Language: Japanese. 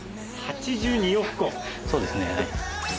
そうですねはい。